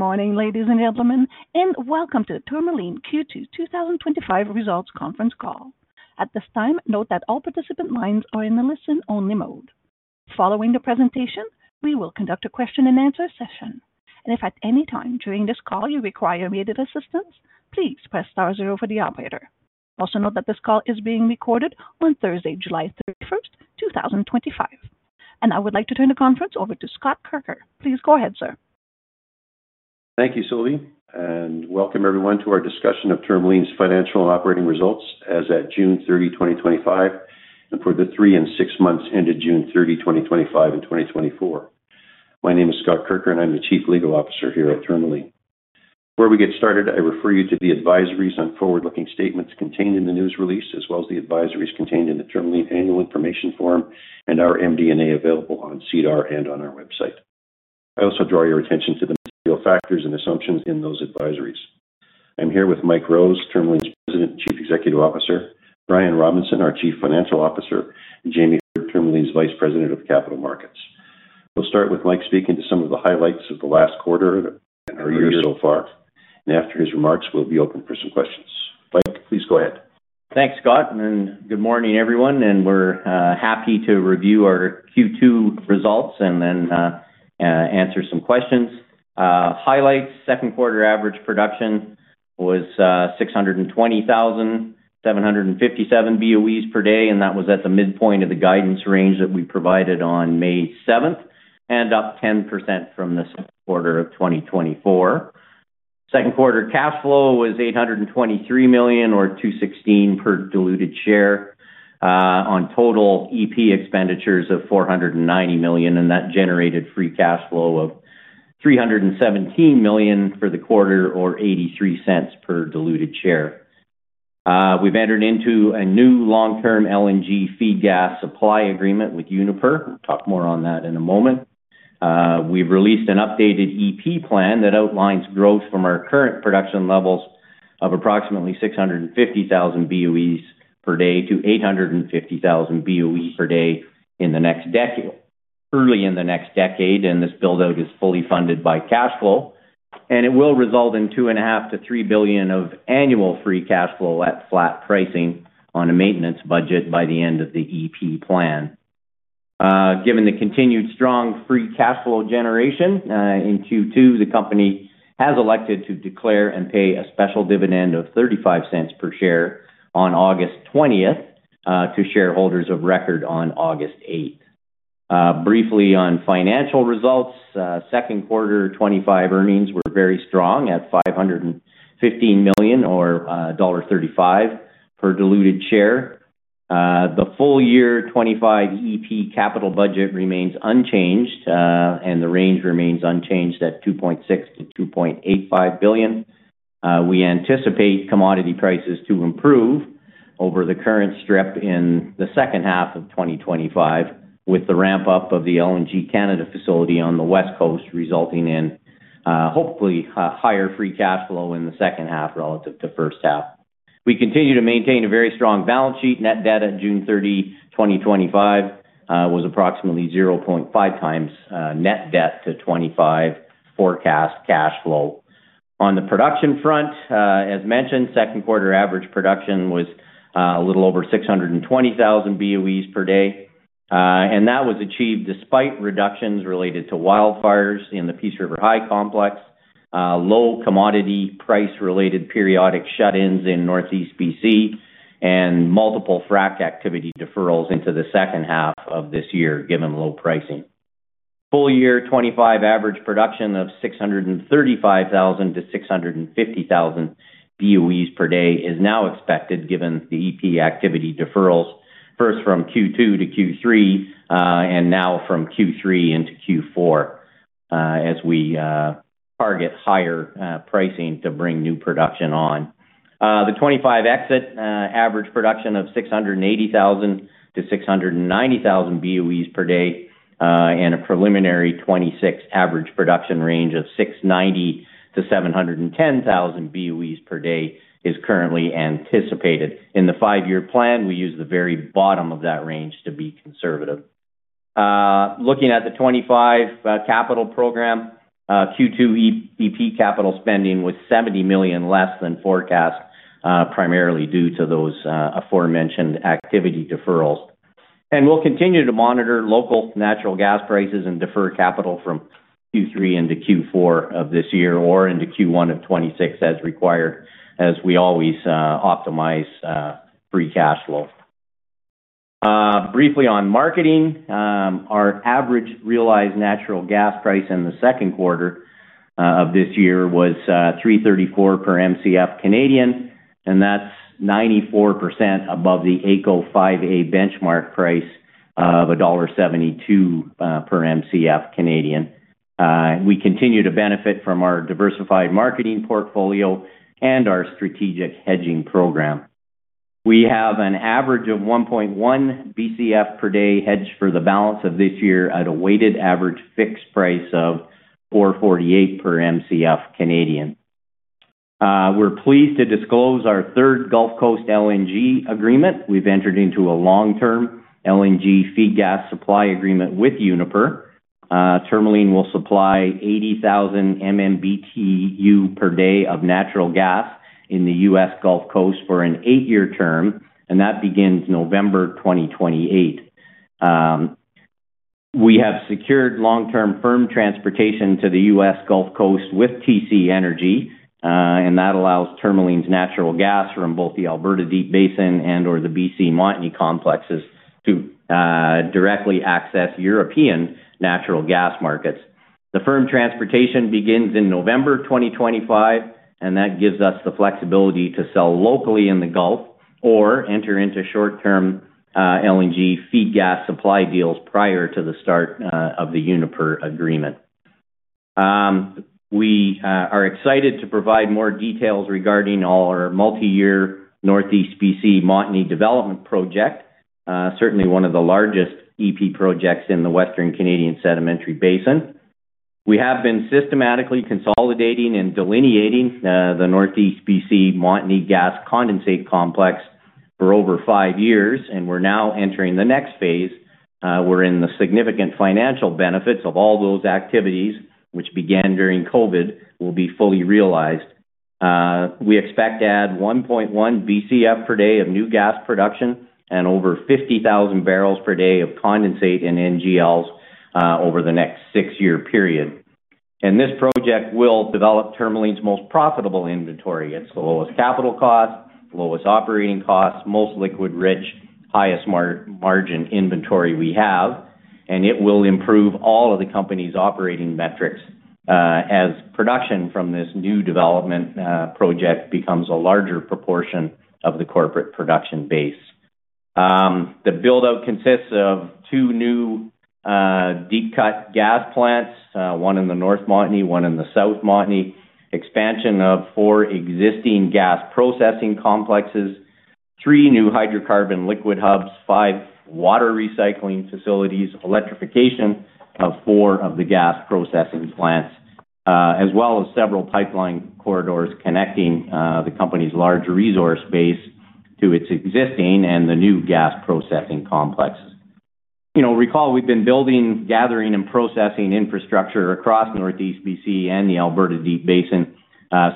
Good morning, ladies and gentlemen, and welcome to the Tourmaline Q2 2025 Results Conference Call. At this time, note that all participant lines are in the listen-only mode. Following the presentation, we will conduct a question-and-answer session, and if at any time during this call you require immediate assistance, please press star zero for the operator. Also note that this call is being recorded on Thursday, July 31, 2025, and I would like to turn the conference over to Scott Kirker. Please go ahead, sir. Thank you, Sylvie, and welcome everyone to our discussion of Tourmaline's financial and operating results as of June 30, 2025, and for the three and six months ended June 30, 2025, and 2024. My name is Scott Kirker, and I'm the Chief Legal Officer here at Tourmaline. Before we get started, I refer you to the advisories on forward-looking statements contained in the news release, as well as the advisories contained in the Tourmaline annual information form and our MD&A available on SEDAR and on our website. I also draw your attention to the material factors and assumptions in those advisories. I'm here with Mike Rose, Tourmaline's President and Chief Executive Officer, Brian Robinson, our Chief Financial Officer, and Jamie, Tourmaline's Vice President of Capital Markets. We'll start with Mike speaking to some of the highlights of the last quarter and our year so far, and after his remarks, we'll be open for some questions. Mike, please go ahead. Thanks, Scott, and good morning, everyone. We're happy to review our Q2 results and then answer some questions. Highlights, second quarter average production was 620,757 BOEs per day, and that was at the midpoint of the guidance range that we provided on May 7th, and up 10% from the quarter of 2024. Second quarter cash flow was $823 million, or $2.16 per diluted share, on total EP expenditures of $490 million, and that generated free cash flow of $317 million for the quarter, or $0.83 per diluted share. We've entered into a new long-term LNG feed gas supply agreement with Uniper. We'll talk more on that in a moment. We've released an updated EP plan that outlines growth from our current production levels of approximately 650,000 BOEs per day to 850,000 BOEs per day early in the next decade, and this build-out is fully funded by cash flow, and it will result in $2.5 billion to $3 billion of annual free cash flow at flat pricing on a maintenance budget by the end of the EP plan. Given the continued strong free cash flow generation in Q2, the company has elected to declare and pay a special dividend of $0.35 per share on August 20th to shareholders of record on August 8th. Briefly on financial results: second quarter 2025 earnings were very strong at $515 million, or $1.35 per diluted share. The full year 2025 EP capital budget remains unchanged, and the range remains unchanged at $2.6 billion to $2.85 billion. We anticipate commodity prices to improve over the current strip in the second half of 2025, with the ramp-up of the LNG Canada facility on the West Coast resulting in hopefully higher free cash flow in the second half relative to first half. We continue to maintain a very strong balance sheet. Net debt at June 30, 2025, was approximately 0.5x net debt to 2025 forecast cash flow. On the production front, as mentioned, second quarter average production was a little over 620,000 BOEs per day, and that was achieved despite reductions related to wildfires in the Peace River High Complex, low commodity price-related periodic shut-ins in Northeast BC, and multiple frac activity deferrals into the second half of this year, given low pricing. Full year 2025 average production of 635,000 to 650,000 BOEs per day is now expected, given the EP activity deferrals first from Q2 to Q3 and now from Q3 into Q4, as we target higher pricing to bring new production on. The 2025 exit average production of 680,000 to 690,000 BOEs per day and a preliminary 2026 average production range of 690,000 to 710,000 BOEs per day is currently anticipated. In the five-year plan, we use the very bottom of that range to be conservative. Looking at the 2025 capital program, Q2 EP capital spending was $70 million less than forecast, primarily due to those aforementioned activity deferrals. We will continue to monitor local natural gas prices and defer capital from Q3 into Q4 of this year or into Q1 of 2026 as required, as we always optimize free cash flow. Briefly on marketing, our average realized natural gas price in the second quarter of this year was 3.34 per Mcf, and that's 94% above the AECO 5A benchmark price of dollar 1.72 per Mcf. We continue to benefit from our diversified marketing portfolio and our strategic hedging program. We have an average of 1.1 Bcf per day hedged for the balance of this year at a weighted average fixed price of 4.48 per Mcf. We're pleased to disclose our third Gulf Coast LNG agreement. We've entered into a long-term LNG feed gas supply agreement with Uniper. Tourmaline will supply 80,000 MMBtu per day of natural gas in the U.S. Gulf Coast for an eight-year term, and that begins November 2028. We have secured long-term firm transportation to the U.S. Gulf Coast with TC Energy, and that allows Tourmaline Oil's natural gas from both the Alberta Deep Basin and or the BC Montney complexes to directly access European natural gas markets. The firm transportation begins in November 2025, and that gives us the flexibility to sell locally in the Gulf or enter into short-term LNG feed gas supply deals prior to the start of the Uniper agreement. We are excited to provide more details regarding our multi-year Northeast BC Montney development project, certainly one of the largest EP projects in the Western Canadian Sedimentary Basin. We have been systematically consolidating and delineating the Northeast BC Montney gas condensate complex for over five years, and we're now entering the next phase wherein the significant financial benefits of all those activities, which began during COVID, will be fully realized. We expect to add 1.1 Bcf per day of new gas production and over 50,000 barrels per day of condensate and NGLs over the next six-year period. This project will develop Tourmaline's most profitable inventory. It's the lowest capital cost, lowest operating cost, most liquid-rich, highest margin inventory we have, and it will improve all of the company's operating metrics as production from this new development project becomes a larger proportion of the corporate production base. The build-out consists of two new deep cut gas plants, one in the North Montney, one in the South Montney, expansion of four existing gas processing complexes, three new hydrocarbon liquid hubs, five water recycling facilities, electrification of four of the gas processing plants, as well as several pipeline corridors connecting the company's large resource base to its existing and the new gas processing complexes. Recall we've been building, gathering, and processing infrastructure across Northeast BC and the Alberta Deep Basin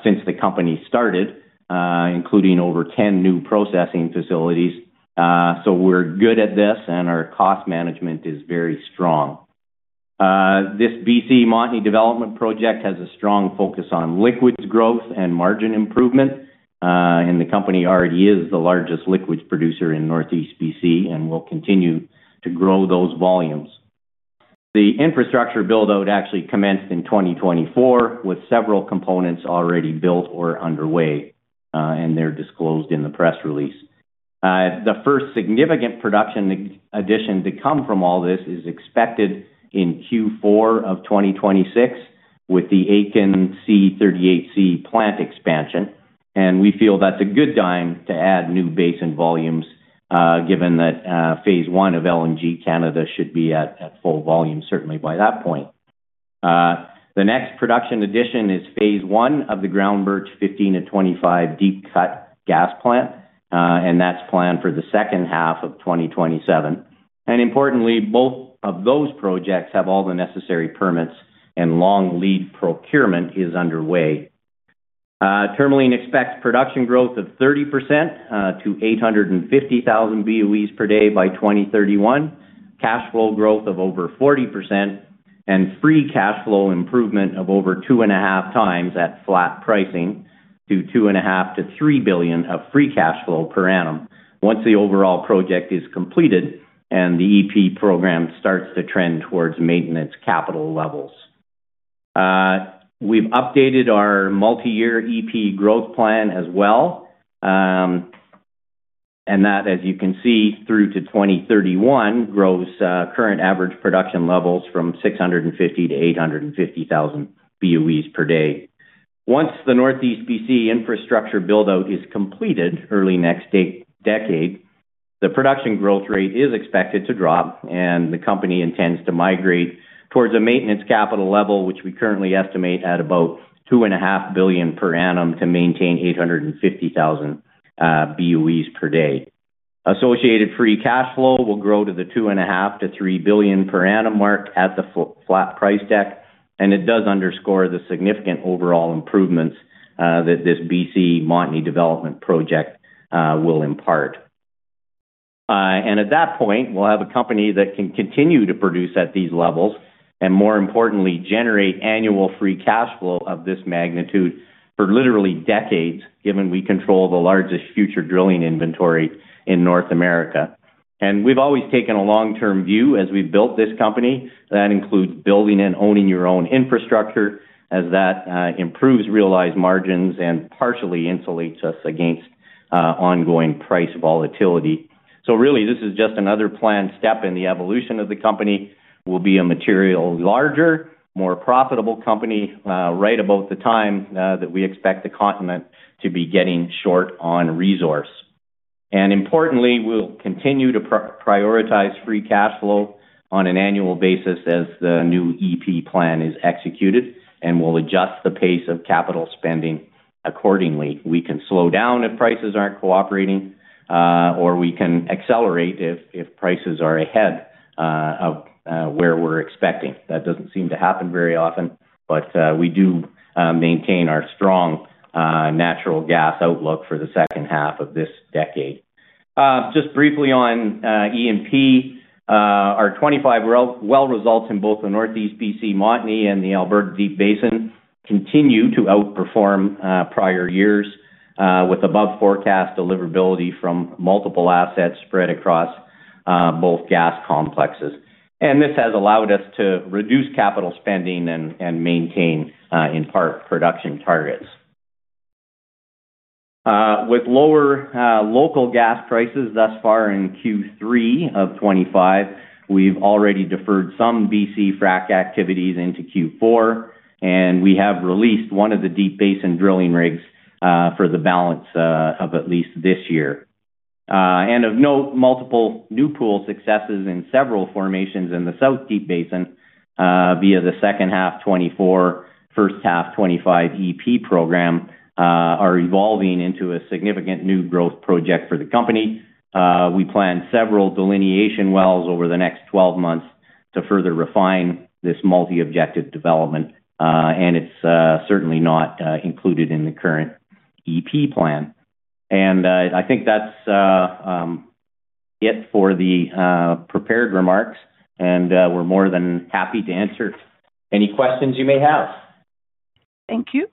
since the company started, including over 10 new processing facilities, so we're good at this and our cost management is very strong. This BC Montney development project has a strong focus on liquids growth and margin improvement. The company already is the largest liquids producer in Northeast BC and will continue to grow those volumes. The infrastructure build-out actually commenced in 2024 with several components already built or underway, and they're disclosed in the press release. The first significant production addition to come from all this is expected in Q4 of 2026 with the Aitken C38C plant expansion, and we feel that's a good time to add new basin volumes given that phase I of LNG Canada should be at full volume certainly by that point. The next production addition is phase I of the Ground Birch 15 to 25 deep cut gas plant, and that's planned for the second half of 2027. Importantly, both of those projects have all the necessary permits and long lead procurement is underway. Tourmaline expects production growth of 30% to 850,000 BOEs per day by 2031, cash flow growth of over 40%, and free cash flow improvement of over 2.5x at flat pricing to $2.5 billion to $3 billion of free cash flow per annum once the overall project is completed and the EP program starts to trend towards maintenance capital levels. We've updated our multi-year EP growth plan as well. That, as you can see, through to 2031, grows current average production levels from 650,000 to 850,000 BOEs per day. Once the Northeast BC infrastructure build-out is completed early next decade, the production growth rate is expected to drop, and the company intends to migrate towards a maintenance capital level, which we currently estimate at about $2.5 billion per annum to maintain 850,000 BOEs per day. Associated free cash flow will grow to the $2.5 billion to $3 billion per annum mark at the flat price deck, and it does underscore the significant overall improvements that this BC Montney development project will impart. At that point, we'll have a company that can continue to produce at these levels and, more importantly, generate annual free cash flow of this magnitude for literally decades, given we control the largest future drilling inventory in North America. We've always taken a long-term view as we've built this company that includes building and owning your own infrastructure as that improves realized margins and partially insulates us against ongoing price volatility. This is just another planned step in the evolution of the company. We'll be a materially larger, more profitable company right about the time that we expect the continent to be getting short on resource. Importantly, we'll continue to prioritize free cash flow on an annual basis as the new EP plan is executed, and we'll adjust the pace of capital spending accordingly. We can slow down if prices aren't cooperating, or we can accelerate if prices are ahead of where we're expecting. That doesn't seem to happen very often, but we do maintain our strong natural gas outlook for the second half of this decade. Just briefly on EP. Our 2025 well results in both the Northeast BC Montney and the Alberta Deep Basin continue to outperform prior years with above forecast deliverability from multiple assets spread across both gas complexes. This has allowed us to reduce capital spending and maintain in part production targets. With lower local gas prices, thus far in Q3 of 2025, we've already deferred some BC frac activities into Q4, and we have released one of the Deep Basin drilling rigs for the balance of at least this year. Of note, multiple new pool successes in several formations in the South Deep Basin via the second half 2024, first half 2025 EP program are evolving into a significant new growth project for the company. We plan several delineation wells over the next 12 months to further refine this multi-objective development, and it's certainly not included in the current. EP plan. I think that's it for the prepared remarks, and we're more than happy to answer any questions you may have. Thank you.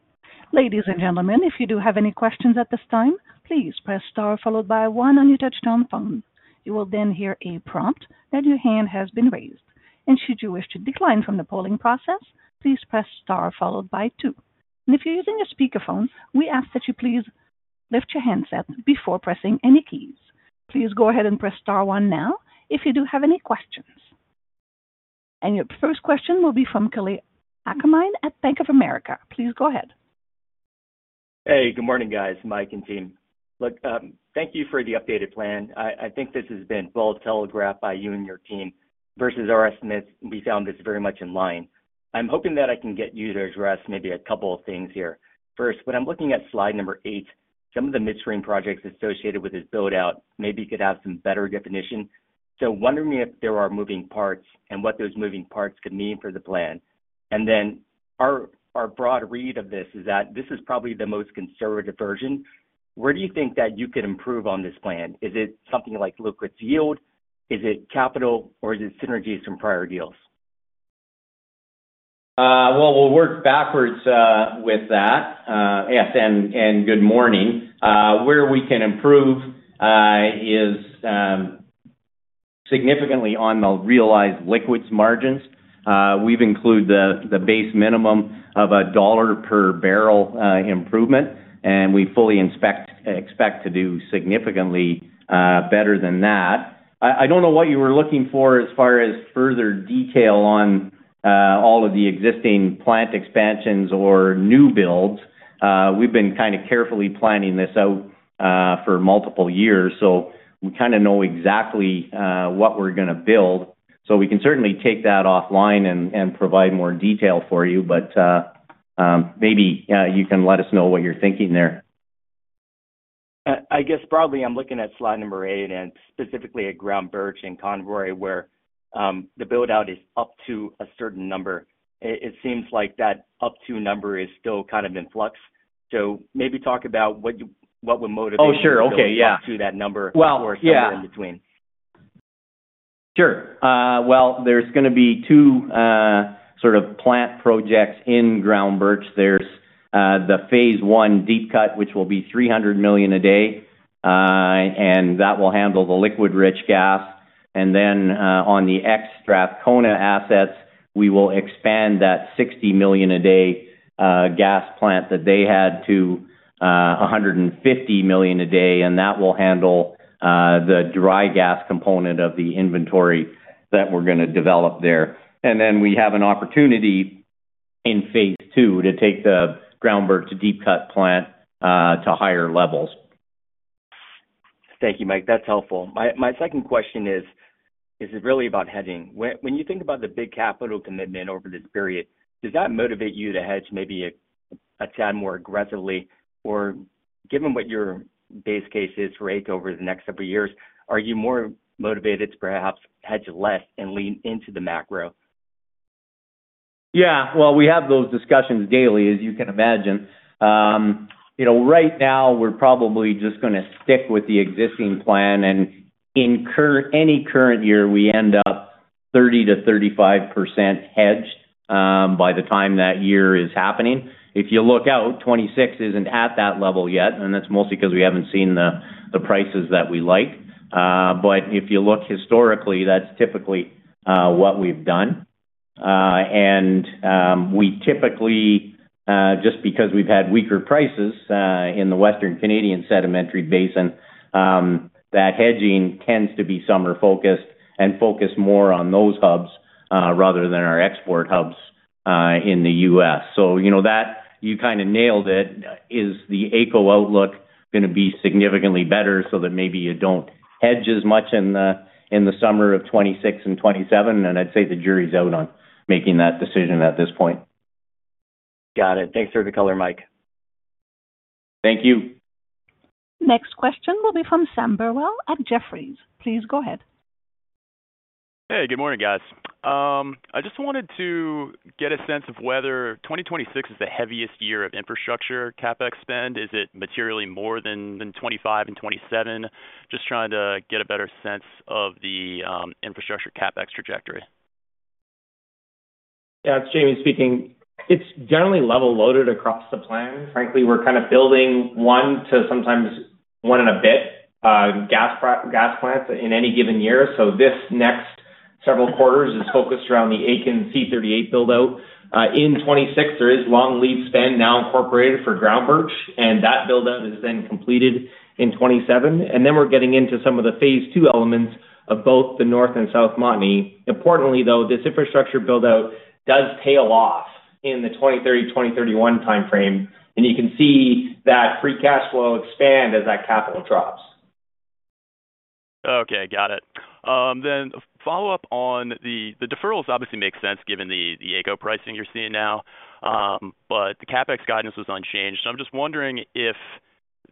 Ladies and gentlemen, if you do have any questions at this time, please press star followed by one on your touch-tone phone. You will then hear a prompt that your hand has been raised. Should you wish to decline from the polling process, please press star followed by two. If you're using a speakerphone, we ask that you please lift your handset before pressing any keys. Please go ahead and press star one now if you do have any questions. Your first question will be from Kalei Akamine at Bank of America. Please go ahead. Hey, good morning, guys, Mike and team. Thank you for the updated plan. I think this has been well telegraphed by you and your team. Versus our estimates, we found this very much in line. I'm hoping that I can get you to address maybe a couple of things here. First, when I'm looking at slide number eight, some of the midstream projects associated with this build-out maybe could have some better definition. Wondering if there are moving parts and what those moving parts could mean for the plan. Our broad read of this is that this is probably the most conservative version. Where do you think that you could improve on this plan? Is it something like liquids yield? Is it capital, or is it synergies from prior deals? We'll work backwards with that. Yes, and good morning. Where we can improve is significantly on the realized liquids margins. We've included the base minimum of $1 per barrel improvement, and we fully expect to do significantly better than that. I don't know what you were looking for as far as further detail on all of the existing plant expansions or new builds. We've been carefully planning this out for multiple years, so we know exactly what we're going to build. We can certainly take that offline and provide more detail for you, but maybe you can let us know what you're thinking there. I guess broadly, I'm looking at slide number eight and specifically at Ground Birch and Convoy, where the build-out is up to a certain number. It seems like that up to number is still kind of in flux. Maybe talk about what would motivate you to go up to that number or somewhere in between. Sure. There's going to be two sort of plant projects in Ground Birch. There's the phase I deep cut, which will be 300 million a day. That will handle the liquid-rich gas. On the extract Kona assets, we will expand that 60 million a day gas plant that they had to 150 million a day, and that will handle the dry gas component of the inventory that we're going to develop there. We have an opportunity in phase II to take the Ground Birch deep cut plant to higher levels. Thank you, Mike. That's helpful. My second question is really about hedging. When you think about the big capital commitment over this period, does that motivate you to hedge maybe a tad more aggressively? Or given what your base case is for AECO over the next couple of years, are you more motivated to perhaps hedge less and lean into the macro? Yeah. We have those discussions daily, as you can imagine. Right now, we're probably just going to stick with the existing plan. In any current year, we end up 30% to 35% hedged by the time that year is happening. If you look out, 2026 isn't at that level yet, and that's mostly because we haven't seen the prices that we like. If you look historically, that's typically what we've done. We typically, just because we've had weaker prices in the Western Canadian Sedimentary Basin, that hedging tends to be summer-focused and focused more on those hubs rather than our export hubs in the U.S. You kind of nailed it. Is the AECO outlook going to be significantly better so that maybe you don't hedge as much in the summer of 2026 and 2027? I'd say the jury's out on making that decision at this point. Got it. Thanks for the color, Mike. Thank you. Next question will be from Sam Burwell at Jefferies. Please go ahead. Hey, good morning, guys. I just wanted to get a sense of whether 2026 is the heaviest year of infrastructure CapEx spend. Is it materially more than 2025 and 2027? Just trying to get a better sense of the infrastructure CapEx trajectory. Yeah, it's Jamie speaking. It's generally level loaded across the plan. Frankly, we're kind of building one to sometimes one and a bit gas plants in any given year. This next several quarters is focused around the Aitken C38C build-out. In 2026, there is long lead spend now incorporated for Ground Birch, and that build-out is then completed in 2027. We're getting into some of the phase II elements of both the North and South Montney. Importantly, this infrastructure build-out does tail off in the 2030, 2031 timeframe. You can see that free cash flow expand as that capital drops. Okay, got it. Follow up on the deferrals obviously makes sense given the AECO pricing you're seeing now. The CapEx guidance was unchanged. I'm just wondering if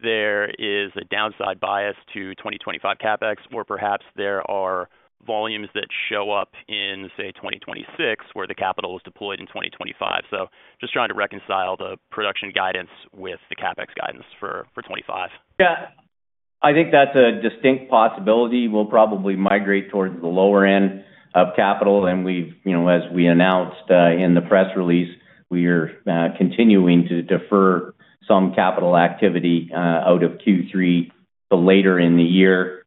there is a downside bias to 2025 CapEx, or perhaps there are volumes that show up in, say, 2026 where the capital is deployed in 2025. Just trying to reconcile the production guidance with the CapEx guidance for 2025. I think that's a distinct possibility. We'll probably migrate towards the lower end of capital. As we announced in the press release, we are continuing to defer some capital activity out of Q3 to later in the year.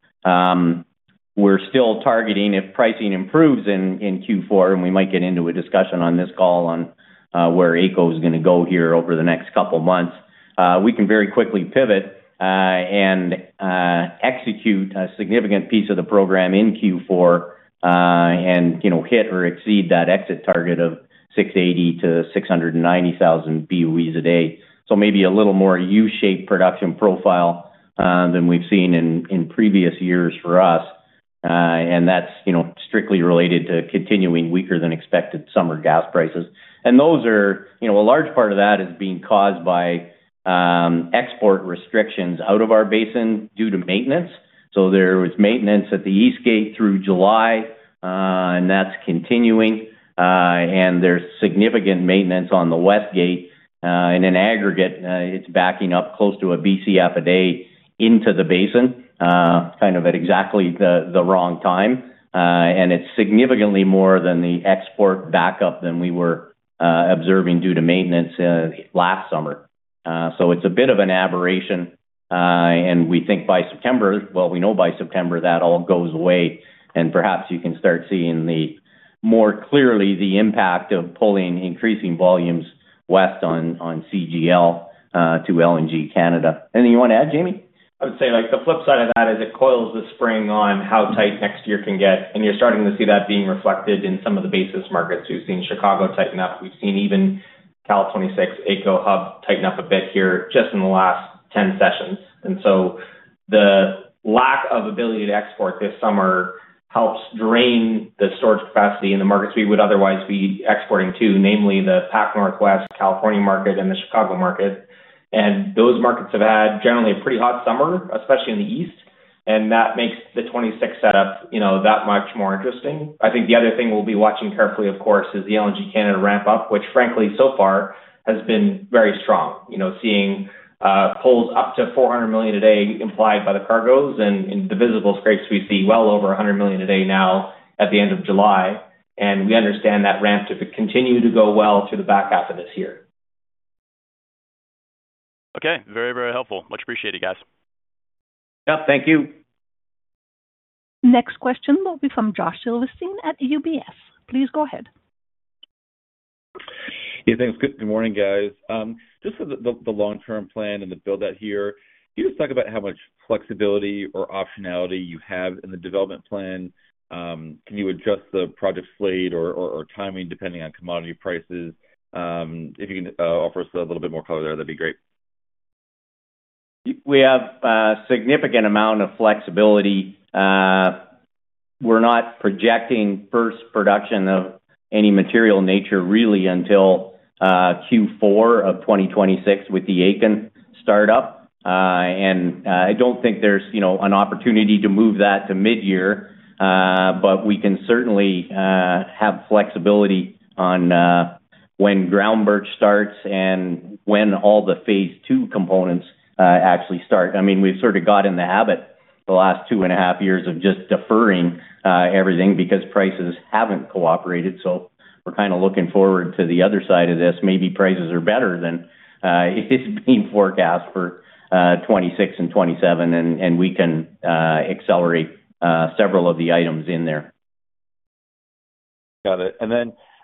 We're still targeting, if pricing improves in Q4, and we might get into a discussion on this call on where AECO is going to go here over the next couple of months, we can very quickly pivot and execute a significant piece of the program in Q4 and hit or exceed that exit target of 680,000 to 690,000 BOEs a day. Maybe a little more U-shaped production profile than we've seen in previous years for us. That's strictly related to continuing weaker-than-expected summer gas prices. A large part of that is being caused by export restrictions out of our basin due to maintenance. There was maintenance at the East Gate through July, and that's continuing. There's significant maintenance on the West Gate. In aggregate, it's backing up close to a Bcf a day into the basin, kind of at exactly the wrong time. It's significantly more than the export backup than we were observing due to maintenance last summer. It's a bit of an aberration. We think by September, we know by September that all goes away. Perhaps you can start seeing more clearly the impact of pulling increasing volumes west on CGL to LNG Canada. Anything you want to add, Jamie? I would say the flip side of that is it coils the spring on how tight next year can get. You're starting to see that being reflected in some of the basis markets. We've seen Chicago tighten up. We've seen even Cal 2026 AECO hub tighten up a bit here just in the last 10 sessions. The lack of ability to export this summer helps drain the storage capacity in the markets we would otherwise be exporting to, namely the Pacific Northwest, California market, and the Chicago market. Those markets have had generally a pretty hot summer, especially in the east. That makes the 2026 setup that much more interesting. I think the other thing we'll be watching carefully, of course, is the LNG Canada ramp up, which frankly, so far has been very strong. Polls up to 400 million a day implied by the cargoes and the visible scrapes we see well over 100 million a day now at the end of July. We understand that ramp to continue to go well to the back half of this year. Very, very helpful. Much appreciated, guys. Yeah. Thank you. Next question will be from Josh Silverstein at UBS. Please go ahead. Hey, thanks. Good morning, guys. Just for the long-term plan and the build-out here, can you just talk about how much flexibility or optionality you have in the development plan? Can you adjust the project slate or timing depending on commodity prices? If you can offer us a little bit more color there, that'd be great. We have a significant amount of flexibility. We're not projecting first production of any material nature really until Q4 of 2026 with the Aitken startup. I don't think there's an opportunity to move that to mid-year, but we can certainly have flexibility on when Ground Birch starts and when all the phase II components actually start. We've sort of got in the habit the last two and a half years of just deferring everything because prices haven't cooperated. We're kind of looking forward to the other side of this. Maybe prices are better than is being forecast for 2026 and 2027, and we can accelerate several of the items in there. Got it.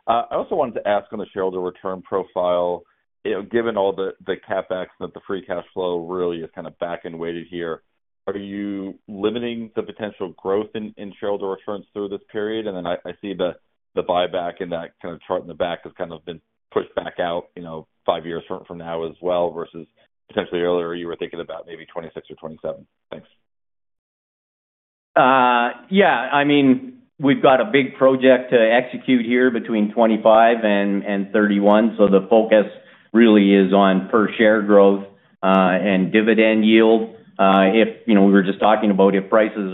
I also wanted to ask on the shareholder return profile, given all the CapEx and that the free cash flow really is kind of back and weighted here, are you limiting the potential growth in shareholder returns through this period? I see the buyback in that kind of chart in the back has kind of been pushed back out five years from now as well versus potentially earlier you were thinking about maybe 2026 or 2027. Thanks. Yeah. We've got a big project to execute here between 2025 and 2031. The focus really is on per-share growth and dividend yield. We were just talking about if prices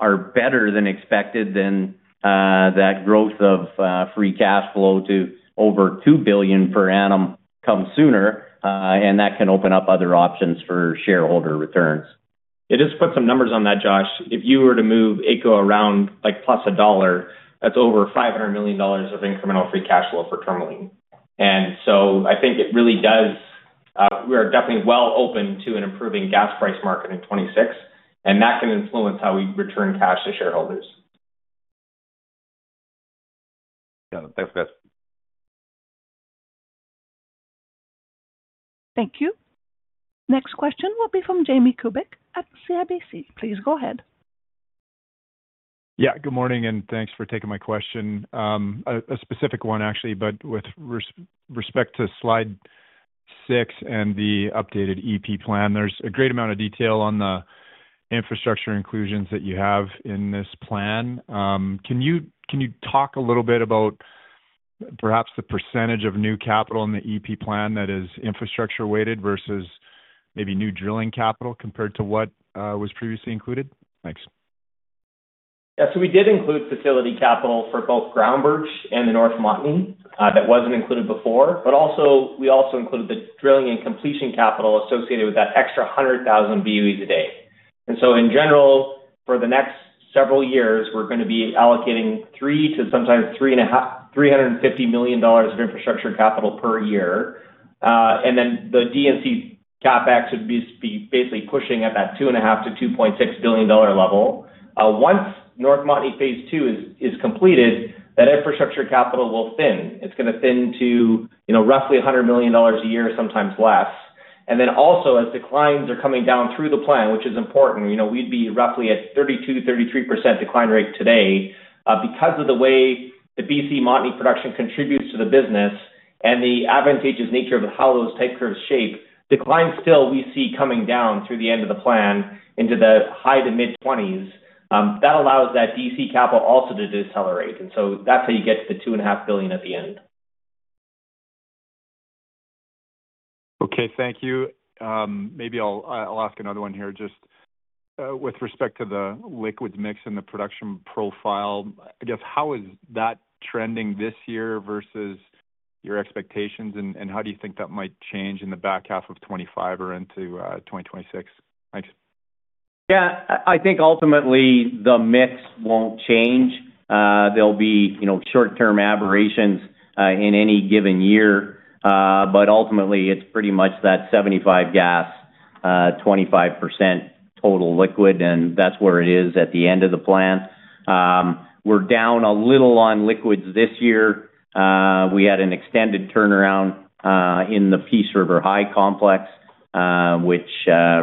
are better than expected, then that growth of free cash flow to over $2 billion per annum comes sooner, and that can open up other options for shareholder returns. It does put some numbers on that, Josh. If you were to move AE`CO around plus a dollar, that's over $500 million of incremental free cash flow for Tourmaline. I think it really does. We are definitely well open to an improving gas price market in 2026, and that can influence how we return cash to shareholders. Got it. Thanks, guys. Thank you. Next question will be from Jamie Kubik at CIBC. Please go ahead. Yeah. Good morning, and thanks for taking my question. A specific one, actually, but with respect to slide six and the updated EP plan, there's a great amount of detail on the infrastructure inclusions that you have in this plan. Can you talk a little bit about perhaps the percentage of new capital in the EP plan that is infrastructure-weighted versus maybe new drilling capital compared to what was previously included? Thanks. Yeah. We did include facility capital for both Ground Birch and the North Montney that wasn't included before. We also included the drilling and completion capital associated with that extra 100,000 BOE a day. In general, for the next several years, we're going to be allocating $300 million to sometimes $350 million of infrastructure capital per year. The D&C CapEx would basically be pushing at that $2.5 billion to $2.6 billion level. Once North Montney phase II is completed, that infrastructure capital will thin. It's going to thin to roughly $100 million a year, sometimes less. Also, as declines are coming down through the plan, which is important, we'd be roughly at 32% to 33% decline rate today because of the way the BC Montney production contributes to the business and the advantageous nature of how those type curves shape. Declines still we see coming down through the end of the plan into the high to mid-20s. That allows that D&C capital also to decelerate. That's how you get to the $2.5 billion at the end. Okay. Thank you. Maybe I'll ask another one here. With respect to the liquids mix and the production profile, I guess, how is that trending this year versus your expectations, and how do you think that might change in the back half of 2025 or into 2026? Thanks. Yeah. I think ultimately the mix won't change. There'll be short-term aberrations in any given year. Ultimately, it's pretty much that 75% gas, 25% total liquids, and that's where it is at the end of the plan. We're down a little on liquids this year. We had an extended turnaround in the Peace River High Complex, which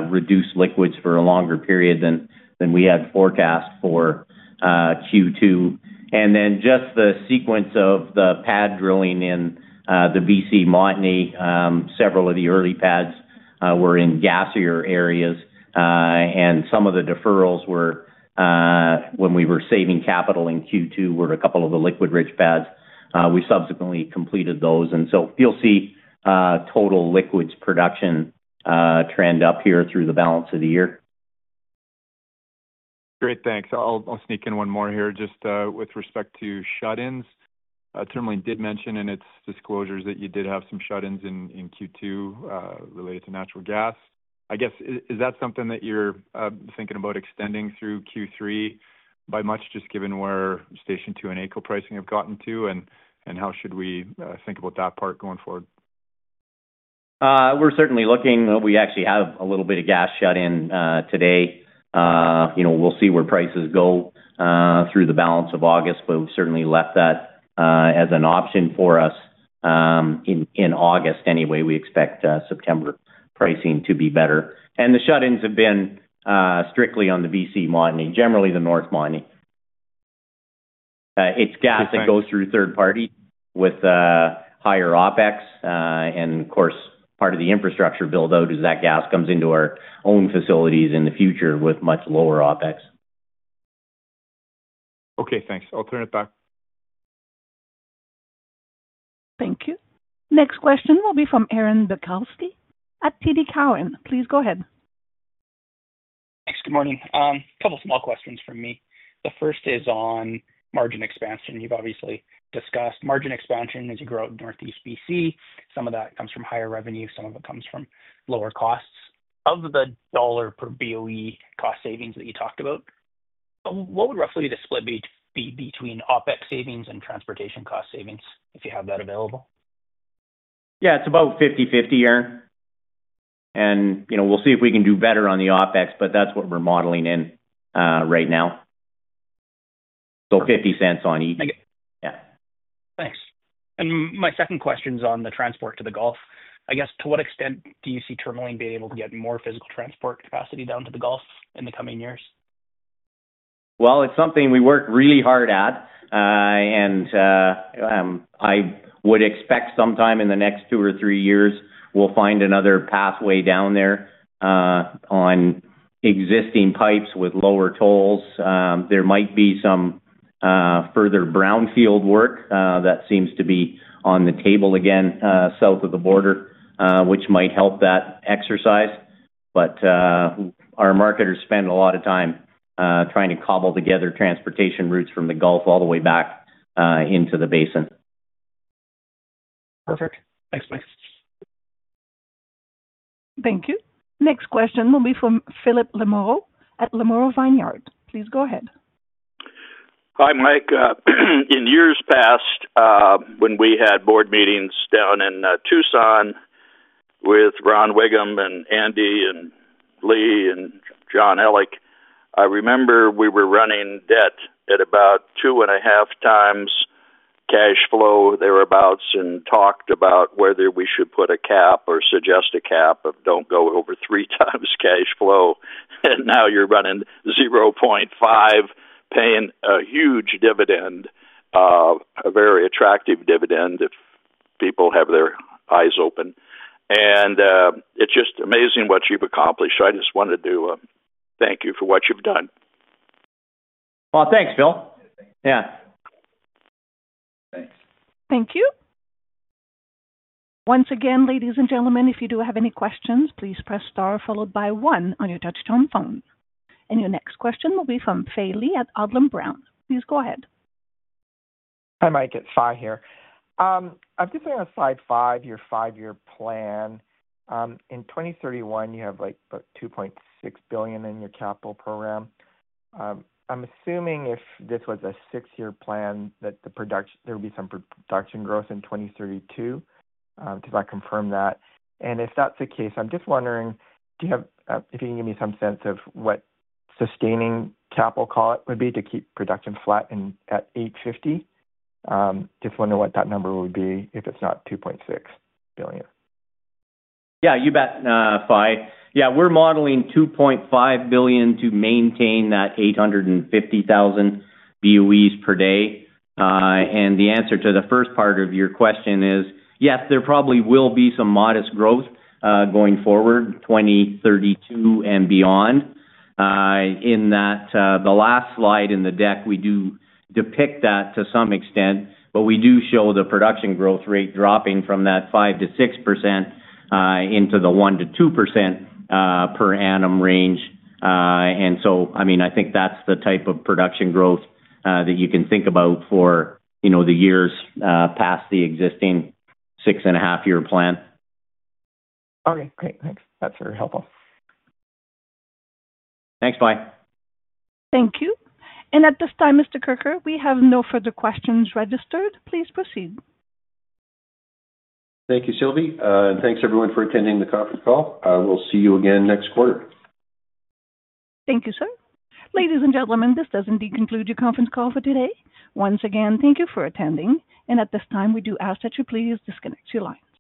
reduced liquids for a longer period than we had forecast for Q2. The sequence of the pad drilling in the BC Montney, several of the early pads were in gassier areas. Some of the deferrals were when we were saving capital in Q2, were a couple of the liquid-rich pads. We subsequently completed those, and you'll see total liquids production trend up here through the balance of the year. Great. Thanks. I'll sneak in one more here just with respect to shut-ins. Tourmaline did mention in its disclosures that you did have some shut-ins in Q2 related to natural gas. I guess, is that something that you're thinking about extending through Q3 by much, just given where Station 2 and AECO pricing have gotten to, and how should we think about that part going forward? We're certainly looking. We actually have a little bit of gas shut-in today. We'll see where prices go through the balance of August, but we've certainly left that as an option for us in August anyway. We expect September pricing to be better, and the shut-ins have been strictly on the BC Montney, generally the North Montney. It's gas that goes through third party with higher OpEx, and of course, part of the infrastructure build-out is that gas comes into our own facilities in the future with much lower OpEx. Okay. Thanks. I'll turn it back. Thank you. Next question will be from Aaron Bilkoski at TD Cowen. Please go ahead. Thanks. Good morning. A couple of small questions from me. The first is on margin expansion. You've obviously discussed margin expansion as you grow out of Northeast BC. Some of that comes from higher revenue, some of it comes from lower costs. Of the dollar per BOE cost savings that you talked about, what would roughly the split be between OpEx savings and transportation cost savings if you have that available? Yeah. It's about 50/50, Aaron. We'll see if we can do better on the OpEx, but that's what we're modeling in right now. So $0.50 on each. Yeah. Thanks. My second question is on the transport to the Gulf. To what extent do you see Tourmaline being able to get more physical transport capacity down to the Gulf in the coming years? It is something we work really hard at. I would expect sometime in the next two or three years, we'll find another pathway down there on existing pipes with lower tolls. There might be some further brownfield work that seems to be on the table again south of the border, which might help that exercise. Our marketers spend a lot of time trying to cobble together transportation routes from the Gulf all the way back into the basin. Perfect. Thanks, Mike. Thank you. Next question will be from Phillip Lamoro at Lamoro Vineyard. Please go ahead. Hi, Mike. In years past, when we had board meetings down in Tucson with Ron Wiggum and Andy and Lee and John Ellich, I remember we were running debt at about 2.5x cash flow thereabouts and talked about whether we should put a cap or suggest a cap of don't go over 3x cash flow. Now you're running $0.5, paying a huge dividend, a very attractive dividend if people have their eyes open, and it's just amazing what you've accomplished. I just wanted to do a thank you for what you've done. Thank you, Phil. Thank you. Once again, ladies and gentlemen, if you do have any questions, please press star followed by one on your touch-tone phone. Your next question will be from Fai Lee at Odlum Brown. Please go ahead. Hi, Mike. It's Fai here. I'm just going to slide five here, five-year plan. In 2031, you have about $2.6 billion in your capital program. I'm assuming if this was a six-year plan that there would be some production growth in 2032. To confirm that, and if that's the case, I'm just wondering if you can give me some sense of what sustaining capital would be to keep production flat at 850. Just wondering what that number would be if it's not $2.6 billion. You bet, Fai. We're modeling $2.5 billion to maintain that 850,000 BOEs per day. The answer to the first part of your question is yes, there probably will be some modest growth going forward, 2032 and beyond. In the last slide in the deck, we do depict that to some extent, but we do show the production growth rate dropping from that 5% to 6% into the 1% to 2% per annum range. I think that's the type of production growth that you can think about for the years past the existing six-and-a-half-year plan. All right. Great. Thanks. That's very helpful. Thanks, Fai. Thank you. At this time, Mr. Kirker, we have no further questions registered. Please proceed. Thank you, Sylvie. Thank you, everyone, for attending the conference call. We'll see you again next quarter. Thank you, sir. Ladies and gentlemen, this does indeed conclude your conference call for today. Once again, thank you for attending. At this time, we do ask that you please disconnect your lines.